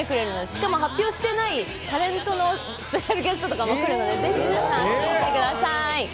しかも発表してないタレントのスペシャルゲストの方も来てくれるのでぜひ来てください。